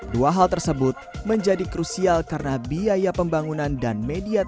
dua hal tersebut menjadi krusial karena biaya pembangunan dan media sosial